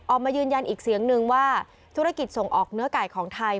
ออกมายืนยันอีกเสียงนึงว่าธุรกิจส่งออกเนื้อไก่ของไทย